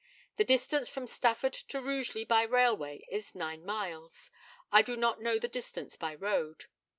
The distance from Stafford to Rugeley by railway is nine miles. I do not know the distance by road.